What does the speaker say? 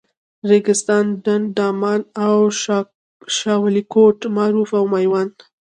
ریګستان، ډنډ، دامان، شاولیکوټ، معروف او میوند.